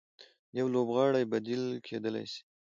يو لوبغاړی بديل کېدلای سي.